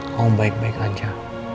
kamu baik baik aja